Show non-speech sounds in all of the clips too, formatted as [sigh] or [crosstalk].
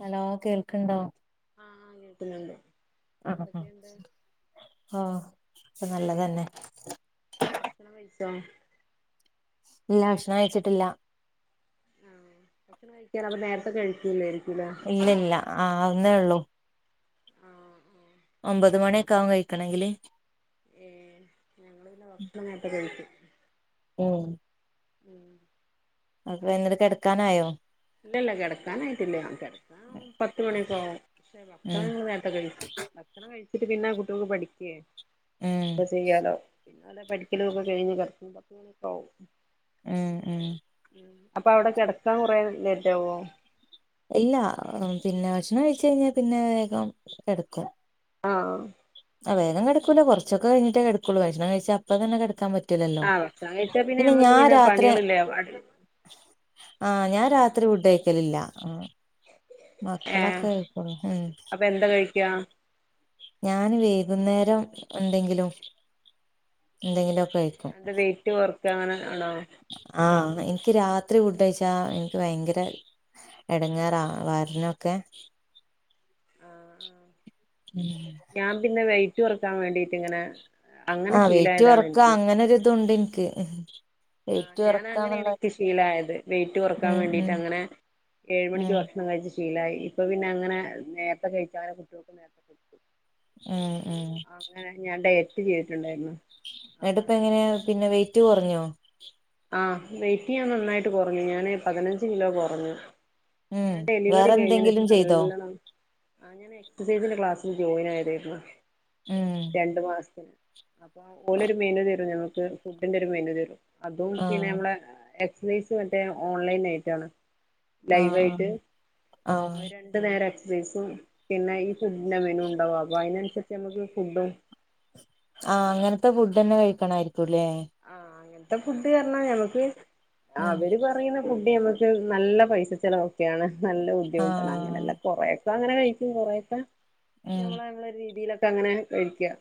Hello കേൾക്ണ്ടോ? ആഹ് ആഹ് കേക്കുന്നുണ്ട്. എന്തൊക്കെയുണ്ട്. ഓ ഇപ്പ നല്ലതന്നെ. ഭക്ഷണം കഴിച്ചോ? ഇല്ല ഭക്ഷണം കയ്ച്ചിട്ടില്ല. കഴിക്കാന്നപ്പോ നേരത്തെ കഴിക്കുലെ. ഇല്ല ഇല്ല ആവുന്നേ ഉള്ളൂ. ആഹ് ആഹ് ഒമ്പത് മണിയൊക്കെ ആകും കഴിക്കണെങ്കില് ഉം ഞങ്ങള് പിന്നെ ഭക്ഷണം നേരത്തെ കഴിക്കും ഉം ഉം അപ്പഇങ്ങള് കെടക്കാനായോ ഇല്ലല്ല കെടക്കാനായിട്ടില്ല കെ ടക്കാൻ പത്ത് മണിക്കാവും [inaudible] ക്ഷ ഉം ഭത കഴിച്ചു ഭക്ഷണം കഴിച്ചിട്ട് പിന്നെ ആ കുട്ടികൾക്ക് പഠിക്കേ ഉം ഒക്കെ ചെയ്യാലോ പിന്നെ അല്ല പഠിക്കലും ഒക്കെ കഴിഞ്ഞ് പ പത്ത്ക്കെ ആവും ഉം ഉം അപ്പൊ അവിടെ കെടക്കാൻ കൊറേ ലേറ്റാവൊ ഇല്ല പിന്നെ ഭക്ഷണം കഴിച്ച ഴിഞ്ഞാൽ പിന്നെ വേഗം കെടക്കും ആഹ് ആ വേഗം കെടക്കൂല കൊ റച്ചൊക്കെ കഴിഞ്ഞിട്ടേ കെ ടക്കുള്ളൂ ഭക്ഷണം കഴിച്ച അപ്പ ത്തന്നെ കെടക്കാൻ പറ്റില്ലല്ലോ ആഹ് ഭക്ഷണം കഴിച്ചാ പിന്നെ നമ്മക്ക് ഞാൻ രാത്രി പണികളില്ലേ ആഹ് ഞാൻ രാത്രി ഫുഡ്കഴിക്ക ലി ല്ല മക്കളൊക്കെ ആയിരിക്കും അല്ലേ അപ്പ എന്താ കഴിക്ക ഞാാന് വൈകുന്നേരം എന്തെങ്കിലും എന്തെങ്കിലുംക്കെ കഴിക്കും വെയിറ്റ് കുറക്കുക അങ്ങനെ ആണോ ആഹ് എനിക്ക് രാത്രി ഫുഡഴിച്ചാ എനിക്ക് ഭയങ്കര എടങ്ങേറ വയറിനൊക്കെ ആഹ് ഉം. ഞാൻ പിന്നെ വെയിറ്റ് കുറക്കാൻ വേണ്ടീട്ട് ഇങ്ങനെ അങ്ങനെ ആഹ് വെയിറ്റ് ശീലായതാണ് കൊറക്ക എനിക്ക് അങ്ങനൊരിതുണ്ട് എനിക്ക് ആഹ് വെയിറ്റ് ഞാൻ അങ്ങനേണ് കൊറക്കാന്നുള്ള എനിക്ക് ഷീലായത് വെയിറ്റ് കുറക്കാൻ ഉം വേണ്ടീട്ട് ഉം അങ്ങനെ ഏഴ് ഉം മണിക്ക്ക്ഷണം കഴിച്ച് ഷീലായി ഇപ്പൊ പിന്നെ അങ്ങനെ നേരത്തെ കഴിച്ചാല് കുട്ടികൾക്ക് നേരത്തെ കൊടുക്കും ഉം ഉം അങ്ങനെ ഞാൻ ഡയറ്റ് ചെയ്തിട്ടുണ്ടായിരുന്നു അപ്പൊ അങ്ങനെ എന്നിട്ടിപ്പഎങ്ങനെയ പിന്നെ വെയിറ്റ് കൊറഞ്ഞോ ആഹ് വെയിറ്റ് ഞാൻ നന്നായിട്ട് കൊറഞ്ഞു ഞാന് പതിനഞ്ച് കിലോ കൊറഞ്ഞു ഉം ഞാൻ ഡെലിവറി വേറെ കഴിഞ്ഞേന് എന്തെങ്കിലും ശേഷം ചെയ്തോ നല്ലോണം അങ്ങനെ എക്സസൈസിന്റെ ക്ലാസ്സില് ജോയിൻ ആയതായിരുന്നു ഉം രണ്ടു മാസത്തിന് അപ്പൊ ഓലൊരു മെനു തരും നമക്ക് ഫുഡിന്റെ ഒരു മെനു തരും അതും ആഹ് പിന്നെമ്മളെ എക്‌സസൈസ് മറ്റേ ഓൺലൈൻ ആയിട്ടാണ് ആഹ് ആഹ് ലൈവായിട്ട് അവ ആഹ് നേരെ എക്സസൈസും പിന്നെ ഈ ഫുഡിന്റെ മെനുവും ഉണ്ടാവും അപ്പൊ അതിനനുസരിച്ച് നമുക്ക് ഫുഡും ആ അങ്ങനത്തെ ഫുഡ് തന്നെ കഴിക്കണായിരിക്കുംല്ലേ ആഹ അങ്ങനത്ത ഫുഡ് പറഞ്ഞ ഞമ്മക്ക് ഉം അവര് പറയുന്ന ഫുഡ് ഞമ്മക്ക് നല്ല പൈസ ചിലവൊക്കെയാണ് നല്ല ബുദ്ധിമുട്ടാണ് ആഹ് അങ്ങനെല്ലാം കൊറെയൊക്ക അങ്ങനെ കഴിക്കും കൊറയൊക്ക ഉം ഞമ്മള നമ്മള രീതിയിലൊക്കെ അങ്ങനെ കഴിക്കും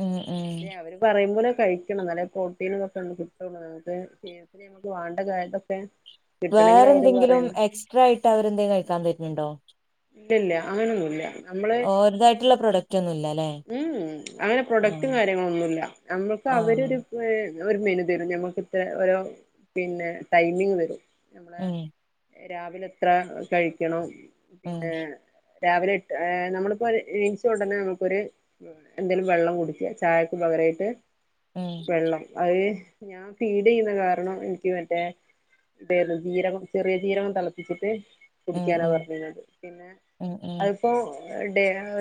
ഉം ഉം പറയുമ്പോലെ കഴിക്കണം എന്നാ ലേ പ്രോട്ടീനിലൊക്കെണ്ട് കിട്ടുള്ളൂ നമുക്ക് വാണ്ട കാര്യത്തൊക്കെ വേറെ എന്തെങ്കിലും എക്സ്ട്രാ ആയിട്ട് അവരെന്തെങ്കിലും കഴിക്കാൻ തരുന്നുണ്ടോ ല്ല ല്ല്യ അങ്ങനൊന്നുമില്ല നമ്മള് ഓര്തായിട്ടുള്ള പ്രൊഡക്റ്റ് ഒന്നും ഇല്ല അല്ലേ ഉ അങ്ങനെ പ്രൊഡക്ടും ആഹ് കാര്യങ്ങളൊന്നുല്ല നമ്മുക്ക് ആഹ് അവരൊരു ഒരു മെനു തരും ഞമ്മക്ക് ഇത്ര ഓരോ പിന്നെ ടൈമിങ് തരും നമ്മള് ഉം രാവിലെ എത്ര കഴിക്കണം ഉം പിന്നെ രാവിലെ എട്ട് നമ്മളിപ്പൊ എണീച്ചൊ ടനെ നമുക്കൊരു എന്തെങ്കലും വെള്ളം കുടിക്ക ചായക്ക് പകരായിട്ട് ഉം വെള്ളം അത് ഞാൻ പീഡ് ചെയ്യുന്ന കാരണം എനിക്ക് മറ്റേ ഇരുന്നു ജീരകം ചെറിയ ജീരകം തിളപ്പച്ചിട്ട് ഉം കുടിക്കാനാ പറഞ്ഞിരുന്നത് പിന്നെ ഉം ഉം ഉം അത് ഇപ്പൊ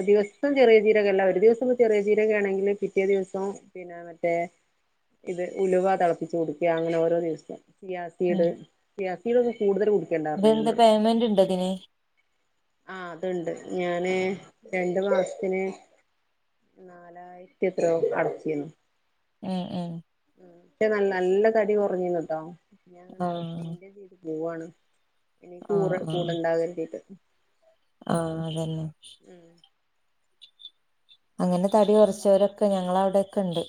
ദിവസം ചെറിയ ചീരൊക്കെ അല്ല ഒരു ദിവസം ചെറിയ ചീരക്കെ ആണെങ്കിൽ പിറ്റേ ദിവസം പി മറ്റേ ഇത് ഉലുവ തിളപ്പിച്ച് കുടിക്ക അങ്ങനെ ഓരോ ദിവസ ഉം സിയാസിട് സിയാസീടക്കെ കൂടുതൽ കു ഇതെന്താ പേയ്മെന്റ് ഉണ്ട് അതിന് ആഹ് അതുണ്ട് ഞാന് രണ്ടു മാസത്തിന് നാലായിരത്തി എത്രയോ അടച്ചിന്ന് ഉം ഉം നല്ല നല്ല തടി കുറഞ്ഞന്ന് ആഹ് കേട്ടോങ്ങനെീതി [unintelligible] പോവൂണ് ഇനി ആഹ് കൂറ് ആഹ് കൂടെണ്ടാകരുതിട്ട് ആഹ് അതന്നെ ഉം അങ്ങനെ അപ്പൊ തടി കുറച്ചവരൊക്കെ ഞങ്ങള അവിടെക്കെ ഇണ്ട്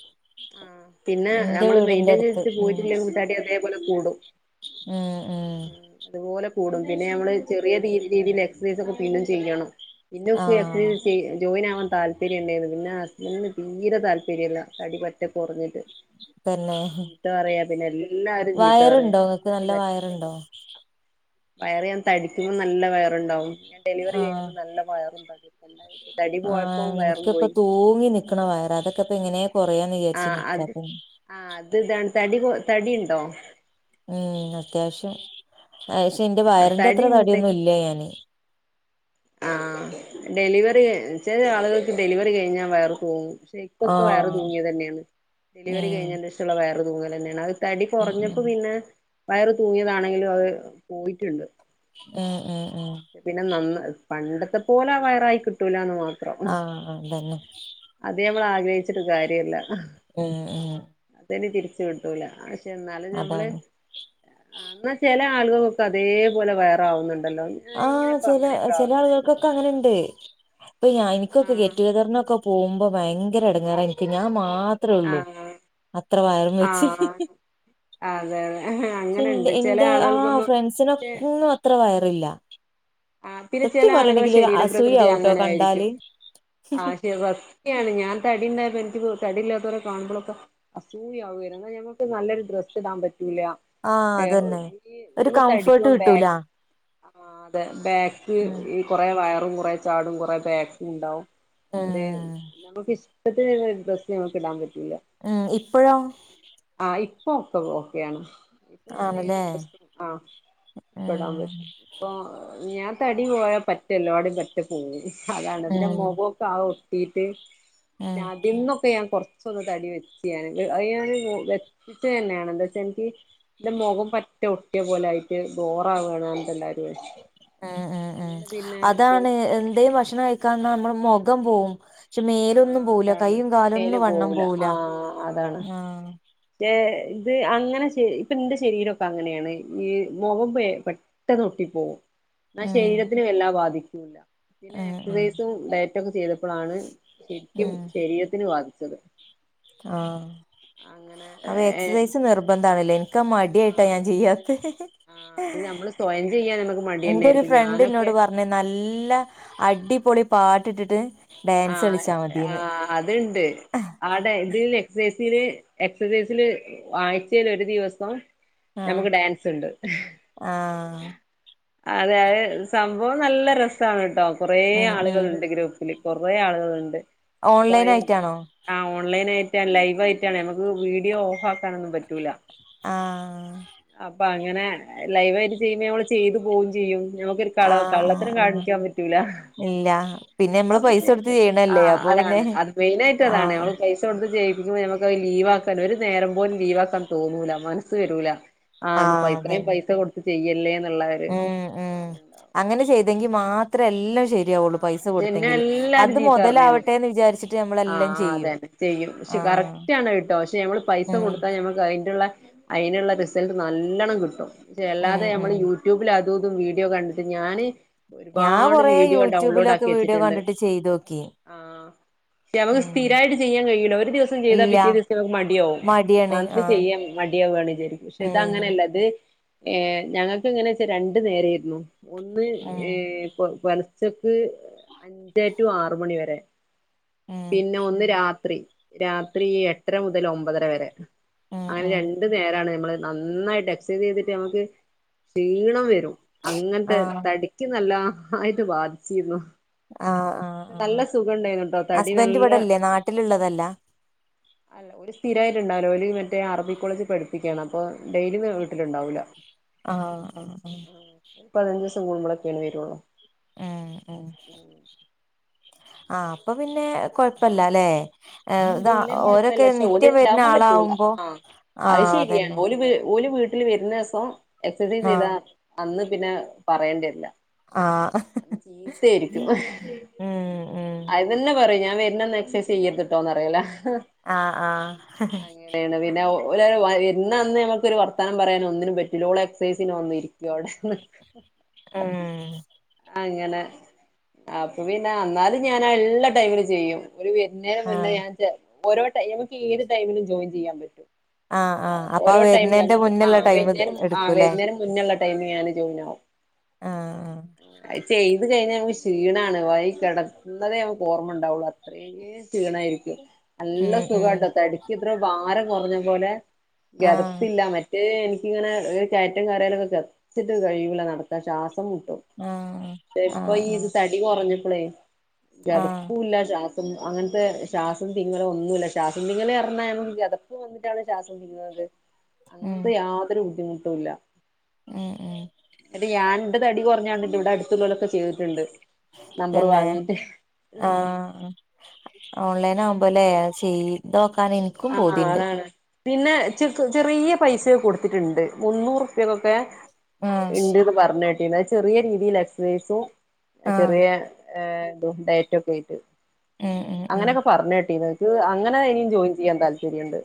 ആഹ് പിന്നെ ഇന്റെ നമ്മള് വീടിന്റെ മെയിന്റയിൻ അടുത്ത് ചെയ്ത് ഉം പോയിട്ടില്ലെ കൂട്ടാടി അതേപോലെ കൂടും ഉം ഉം അതുപോലെ കൂടും പിന്നെ നമ്മള് ചെറിയ രീതിൽ എക്സസൈസ് ഒക്കെ പിന്നും ചെയ്യണം ഇന്ന എ സി ആഹ് സി ജോയിൻ ആവാൻ താല്പം താല്പര്യം ഉണ്ടായിരുന്നു പിന്നെ ഹസ്ബൻറിന് തീരെ താല്പര്യല്ല തടി പറ്റ കുറഞ്ഞിട്ട് തന്നെ ചീത്ത പറയാ പിന്നെ എല്ലരും ചീത്ത പറയാ വയറുണ്ടോ ഇങ്ങക്ക് തടി നല്ല പറ്റ വയറുണ്ടോ വയറ് ഞാൻ തടിക്കുമ്പോൾ നല്ല വയറുണ്ടാവും ഡെലിവറി കഴിഞ്ഞ ആഹ് നല്ല വയറും തടി തടി പോഴപ്പം വയറും പോയി പൂങ്ങി നിക്കണ വയറ അതൊക്കെപ്പ എങ്ങനെ കുറയാന്ന് വിചാരിച്ചു നിക്കാപ്പ ആഹ് അത് ഇതാണ് തടി തടി ഉണ്ടോ ഉം അത്യാവശ്യം അക്ഷെ എന്റെ വയറിന്റെ തടി അത്ര തടിയൊന്നും ഇല്ല ഞാന് ആഹ് ഡെലിവറി ചെറിയ ആളുകൾക്ക് ഡെലിവറി കഴിഞ്ഞാൽ വേറെ പോവും പ ഇപ്പൊക്ക വയർ ആഹ് തൂങ്ങിയ തന്നെയാണ് ഡെലിവറി ഉം കഴിഞ്ഞന്സേഷള്ള വയർ തൂങ്ങില തന്നെയാണ് അത് തടി ഉം കുറഞ്ഞപ്പോ പിന്നെ വയറ് തൂങ്ങിയതാണെങ്കിലും അത് പോയിട്ടുണ്ട് അഹ് അഹ് അഹ് പിന്നെ നന്ന പണ്ടത്തെ പോലെ വയറായി കിട്ടൂലന്ന് മാ ആഹ് അതന്നെ അത് ഞമ്മള് ആഗ്രഹിച്ചിട്ട് കാര്യല്ല ഉം ഉം അതനി തിരിച്ച കിട്ടൂല പക്ഷെ എന്നാലും ഞമ്മള് അതാണ് എന്നാൽ ചില ആളുകൾക് അതേപോലെ വയറ് ആവുന്നുണ്ടല്ലോ ആഹ് ചില ചില ആളുകൾക്കൊക്കെ അങ്ങനെണ്ട് ആളുകൾക്ക് ഇപ്പൊ ഞാ എനിക്കൊക്കെ ആഹ് ഗെറ്റ്ഗദറിനൊക്കെ പോകുമ്പോ ഭയങ്കര ഇടങ്ങാറനിക്ക് ഞാൻ മാത്ര ത്രേള്ളൂ ആഹ് അത്ര വയറും വച്ച് ആഹ് അതെ അതെ അങ്ങനെണ്ട് ചില എന്റെ ആഹ് ആളുകൾക്കൊന്നും ഫ്രണ്ട്സിന അത്ര വയറില്ല. ആഹ് പിന്നെ ചില സത്യം ആളുകള് പറയണെങ്കില് ശരീര പ്രകൃതി അസൂയാവുട്ടോ അങ്ങനെ ആയിരിക്കും കണ്ടാല് ആഹ് ശ ണ് ഞാൻ തടിണ്ടായപ്പോ എനിക്ക് തടിയില്ലാത്തവരെ കാണുമ്പോഴൊക്കെ അസൂയാവുംര എന്നാൽ ഞമുക്ക് നല്ലൊരു ഡ്രസ്സ് ഇടാൻ പറ്റൂല ആഹ് [unintelligible] ഏഹ് അതന്നെ ഒരു നമ്മള് കംഫേർട്ട് തടിക്കവാ ബാഗ കിട്ടൂല ആഹ് അതെ ബാക്ക് ഉം ഈ കൊറേ വയറും കൊറെ ചാടും കൊറെ ബാക്കും ഇണ്ടാവും അതെ ഉം നമുക്ക് ഇഷ്ടത്തിന് ഡ്രസ്സ് നമുക്ക് ഇടാൻ പറ്റൂല്ല ഉം ഇപ്പൊഴോ? ആ ഇപ്പ ഒക്കെ ഓക്കെയാണ് അപ്പൊ ഞാൻ ആണല്ലേ ഏത് [unintelligible] ഉം അപ്പ ഞാൻ തടി പോയാ പറ്റെ എല്ലാടയും പറ്റെ പോക്കും അതാണ് പിന്നെ ഉം മുഖക്കെ ആ ഒട്ടിട്ട് പിന്നെ ഉം അതിൽന്നൊക്കെ ഞാൻ കൊറച്ചൊന്ന് തടി വെച്ചാണ് അത് ഞാന് വെച്ചതന്നെയാണ് എന്താ വച്ചാ എനിക്ക് എന്റെ മുഖം പറ്റേ ഒട്ടിയ പോലെ ആയിട്ട് ബോറാവാണ് എല്ലാരും ഉം ഉം ഉം അങ്ങനെ പിന്നെ അതാണ് എന്തയും ഭക്ഷണ ഇക്ക മുഖം പോവും പക്ഷെ മേലൊന്നും ആഹ് പോകുല്ല അതാണ് കൈയും കാല്ലും മേല് ഒന്നും വണ്ണം പോവൂല പോകൂല്ല ആ ഏ ഇത് അങ്ങനെ ഇപ്പൊ എന്റെ ശരീരക്കെ അങ്ങനെയാണ് ഈ മുഖം പോ പെട്ടന്ന് നൊട്ടി പോക്കും ന ഉം ശരീരത്തിനും എല്ലാം ബാധിക്കൂല്ല പിന്നെ ഉം ഉം എക്സസൈസും ഡയറ്റൊക്കെ ട്ട ചെയ്തപ്പോഴാണ് ശരിക്കും ശരീരത്തിന് ബാധിച്ചത് ആഹ അങ്ങനെ അപ്പൊ ഏഹ് എക്സസൈസ് നിർബന്ധാ ണല്ലേ ഇക്ക് മട്യായിട്ടാ ഞാൻ ആഹ് ചെയ്യാത്തത് ആഹ് അത് നമ്മള് സ്വയം ചെയ്യാൻ നമുക്ക് മടി എന്റെ ഒരു തന്നൊയിരിക്കും ഞാൻ ഫ്രണ്ട് എന്നോട് പറഞ് നല്ല അടിപൊളി പാട്ടിട്ടിട്ട് ആ ഡാൻസ് കളിച്ചാ ആ മതീന്ന് അത്ണ്ട് ആടെ ഇതിൻഎക്സസൈസില് എക്സസൈസില് ആഴ്ചയിൽ ഒരു ദിവസം നമുക്ക് ഡാൻസ് ഉണ്ട് ആ അതെ അതെ സംഭവം നല്ല രസ [unintelligible] കൊറേ ഉം ഉം ആളുകളുണ്ട് ഗ്രൂപ്പില് കൊറേ ആളുകളുണ്ട് അപ്പൊ ഓൺലൈൻ ആയിട്ടാണോ ആ ഓൺലൈന ആയിട്ടാണ് ലൈവായിട്ടാണ് നമുക്ക് വീഡിയോ ഓഫ് ആക്കാനൊന്നും പറ്റൂല ആ അപ്പൊ അങ്ങനെ ലൈവയിട്ട് ചെയ്യുമ്പ നമ്മള് ചെയ്തു പോവയും ചെയ്യും ഞമ്മക്കൊരു കള ആഹ് കള്ളത്തരം ആഹ് ആഹ് കാണിക്കാൻ പറ്റൂല ഇല്ല പിന്നെ നമ്മള് പൈസ കൊടുത്ത് ആ ചെയ്യണല്ലേ അപ്പൊ പിന്നെ അതാണ് അത് മെയിനാ യിട്ട് അതാണ് ആഹ് നമ്മൾ പൈസ കൊടുത്ത് ചെയ്യിപ്പിക്കുമ്പോ നമുക്ക്ത് ലീവാക്കാ ഒരു നേരം പോലും ലീവാക്കാൻ തോന്നൂല മനസ്സ് വരൂല ആണ് ആഹ് പൈഇത്രയും അതന്നെ പൈസ കൊടുത്ത് ചെയ്യല്ലേ എന്നുള്ളവര് ഉം ഉം അങ്ങനെ ചെയ്തെങ്കിൽ മാത്രേ എല്ലാം ശരി കുള്ളു ആഹ് പൈസ പക്ഷെ എന്നെ കൊടുത്തെങ്കിൽ അത് മൊതലാവട്ടെന്ന് വിചാരിച്ചിട്ട് ആ നമ്മളെല്ലാം അത ചെയ്യും ചെയ്യും പക്ഷെ ആഹ് കറക്റ്റ് ആണ് കിട്ടോ പക്ഷെ ഞമ്മൾ പൈസ ഉം കൊടുത്താ ഞമ്മക്ക് [unintelligible] അതിനുള്ള റിസൾട്ട് നല്ലണം കിട്ടുംക്ഷെ ഉം അല്ലാതെ നമ്മൾ ഉം യു ട്യൂബിൽ അതുംതും വീഡിയോ കണ്ടട്ട് ഞാാന് ഞാൻ ഒരുപാട് കൊറേ വീഡിയോ ഡൗൺലോഡ് യൂട്യൂബിലൊക്കെ ആക്കി വീഡിയോ വച്ചിട്ടുണ്ട് കണ്ടിട്ട് ചെയ്തോക്കി ആ നമക്ക് ഉം സ്ഥിരമായിട്ട് ചെയ്യാൻ കഴിയുല്ല ഒരു ദിവസം ചെയ്താ ഇല്ല പിറ്റേ ദിവസം നമക്ക് മടിയവും മടിയാണ് അന്ന് ആഹ് ചെയ്യാം മടിയാവാണ് വിചാരിക്കും പക്ഷെ ഉം ഇതങ്ങനെയല്ല ഇത് ഏ ഞങ്ങൾക്ക് ഇങ്ങനെ വെച്ചാ രണ്ട നേരായിരുന്നു ഒന്ന് ഉം ഏ പൊല ച്ചക്ക് അഞ്ച് ടു ആറ് മണി വരെ ഉം പിന്നെ ഒന്ന് രാത്രി രാത്രി എട്ടര മുതൽ ഒമ്പതര വരെ ഉം അങ്ങനെ ഉം രണ്ടു നേരാണ് നമ്മള് നന്നായിട്ട് എക്സസൈസ് ചെയ്തിട്ട് നമുക്ക് ക്ഷീണം വരും അങ്ങനത്തെ ആഹ് തടി ക്ക് നാല്ലായിട്ട് ബാധിച്ചിരുന്നു ആഹ് ആഹ്ആ നല്ല സുഖം ഉണ്ടായിരുന്നു ട്ടോ തടി ഹസ്ബൻഡ് ഇവിടെല്ലേ നാട്ടിലുള്ളതല്ല അ സ്ഥിരമായിട്ടുണ്ടാവില്ല മറ്റേ അറബി കോളേജിൽ പഠിപ്പിക്കയാണ് അപ്പൊ ഡെയിലി വീട്ടിലുണ്ടാവൂല്ല ആ ആ ആ പതിനഞ്ച് ദിവസം കുടുംബ ളൊക്കെണ് വരള്ളോ ആ ആ ആഹ് അപ്പൊ പിന്നെ കൊഴപ്പല്ല ല്ലെ ഏ ആഹ് ഇതാ ഓലില്ലേ കൊഴപ്പല്ല ഓരൊക്കെ പക്ഷെ ഓല് നിത്യം വരുന്ന ഇണ്ടാവുമ്പോ പറ്റൂല ആളാവുമ്പോ ആഹ് അത് ആഹ് ശരിയാണ് അതന്നെ ഓല് വീ ഓൽ വീ വീട്ടിൽ വരുന്ന ദിവസം എക്സസൈസ് ചെയ്താ ആഹ് അന്ന് പിന്നെ പറയേണ്ടിവെരില്ല ആഹ് ത്തേയിരിക്കും ഉം ഉം ആദ്യം തന്നെ പറയും ഞാൻ വരുന്ന അന്ന് എക്സൈസ് ചെയ്യരുതുട്ടോന്ന് പറയലാ ആഹ് ആഹ് അങ്ങനെയാണ് പിന്നെ ഓല് വര്ണ അന്ന് നമുക്കൊരു വർത്താനം പറയാനും ഒന്നിനും പറ്റൂല്ല ഓള് എക്സൈസിന് വന്നിരിക്കും അവിടെന്ന് ഉം അങ്ങനെ അപ്പൊ പിന്നെ അന്നാലും ഞാൻ ള്ള ടൈമിലും ചെയ്യും ഓര് വരുന്നേന മുന്നേ ആഹ് ഞാൻ ചേ ഓരോ ടൈം എനിക്ക് ഏത് ടൈമിലും ജോയിൻ ചെയ്യാൻ പറ്റും ആഹ് ആഹ് അപ്പൊ ആ ഓരോ ടൈമില് വരുന്നേന്റെ അങ്ങടെക്ക് മുന്നുള്ള ആഹ് ടൈം വർന്നെന്റെ ആഹ് എടുക്കൂല്ലേ വരണെന്റെ മുന്നേള്ള ടൈമില് ഞാന് ജോയിനാവും ആഹ് അയ് ചെയ്ത് കഴിഞ്ഞാൽ നമുക്ക് ക്ഷീണാണ് പോയി കിടന്നതേ നമുക്ക് ഓർമ്മയുണ്ടാവുള്ളു അത്രയും ക്ഷീണായിരിക്കും നല്ല ഉം ഉം സുഖാട്ടോ തടിക്കിത്ര ഭാരം കുറഞ്ഞ പോലെ ആഹ് കിതപ്പില്ല മ എനിക്കിങ്ങനെ കയറ്റം കേറിയാലൊക്കെ കിതച്ചിട്ടും കഴിയൂല നടക്കാൻ ശ്വാസം മുട്ടും ആഹ് ആഹ് ഇപ്പൊ ഈ ഇത് ആഹ് തടി കുറഞ്ഞപ്പോളേ ആഹ് കിതപ്പുല്ല ശ്വാ അങ്ങനത്തെ ശ്വാസം തിങ്ങലൊന്നുമില്ല ശ്വാസം തിങ്ങല് പറഞ്ഞാ എന്നും കിതപ്പും ശ്വാസം [unintelligible] ഉം അങ്ങനത്തെ യാതൊരു ബുദ്ധിമുട്ടും ല്ല ഉം ഉം എന്നിട്ട് ഞാൻ ന്റെ തടി കുറഞ്ഞണ്ട് ഇവിടെ അടുത്തുള്ളോലൊക്കെ ചെയ്തിട്ടുണ്ട് നമ്പർ വാങ്ങിട്ട് ഓൺലൈനാവുമ്പോലെ ചെയ്തോക്കാനെ ആഹ് ഹാ അതാണ് പിന്നെ ചെ ചെറിയ പൈസയൊ കൊടുത്തിട്ടുണ്ട് മുന്നൂറുപ്യക്കൊക്കെ ഉം ഇണ്ട്ന്ന് പറഞ്ഞ് കേട്ടീന് അത് ചെറിയ രീതിയിൽ എക്സസൈസും ചെറിയ ഡേറ്റൊക്കെയിട്ട് ഉം അങ്ങനെയൊക്കെ പറഞ്ഞ് കേട്ടീനു ഇത് അങ്ങനെ ഇനിയും ജോയി ചെയ്യാൻ താല്പര്യയുണ്ട്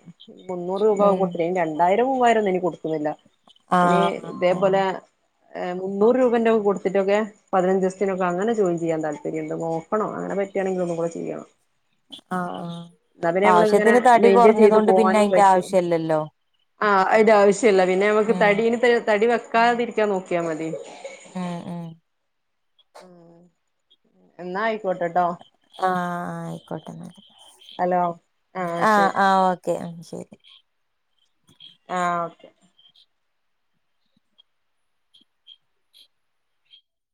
മുന്നൂറ് രൂപ ഉം കൊടുത്തിട്ടെ രണ്ടായിരം മൂവായിരം ഇനി കൊടുക്കുന്നില്ല ഇനി ആഹ് ഇതേപോലെ അതന്നെ മുന്നൂറുരൂപന്റെക്കെ കൊടുത്തിട്ടൊക്കെ പതിനഞ്ച് ദിവസത്തിനൊക്കങ്ങനെ ജോയിൻ ചെയ്യാൻ താല്പര്യമുണ്ട് നോക്കണം അങ്ങനെ പറ്റുകയാണെങ്കിൽ ഒന്നു കൂടെ ചെയ്യണം ആഹ് ആഹ് ആവശ്യത്തിന് തടി മെയിന്റീൻ ചെയ്ത് കുറഞ്ഞതോണ്ട് പിന്നെ പോവാനും അയിന്റെ പറ്റും ആവശ്യല്ലല്ലോ ആഹ് അതിന്റെ ആവശ്യല്ല പിന്നെ നമുക്ക് ഉം തടി ഇത് തടി വെക്കാതിരിക്കാൻ നോക്കിയാ മതി ഉം ഉം ഉം എന്നാ ആയിക്കോട്ടെട്ടോ ആഹ് ആയിക്കോട്ടെന്നാല് ഹലോ ആഹ് ശരി ഓക്കെ ആഹ് ശരി ആഹ് ഓക്കെ